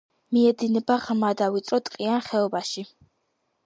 მიედინება ღრმა და ვიწრო ტყიან ხეობაში.